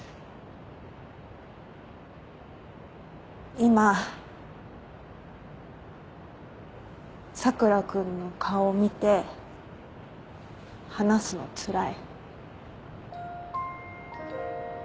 今佐倉君の顔見て話すのつらい。